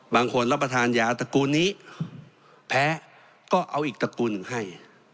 รับประทานยาตระกูลนี้แพ้ก็เอาอีกตระกูลหนึ่งให้